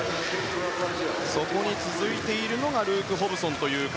そこに続いているのがルーク・ホブソン。